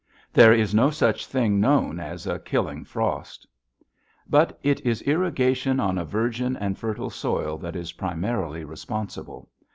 There is no such thing known as a killing frost. But it is irrigation on a virgin and fertile soil that is primarily responsible.